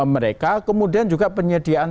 mereka kemudian juga penyediaan